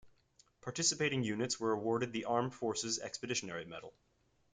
Participating units were awarded the Armed Forces Expeditionary Medal.